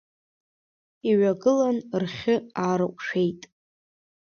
Иҩагылан, рхьы аарыҟәшәеит.